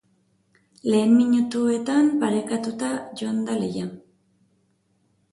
Lehen minutuetan parekatuta joan da lehia.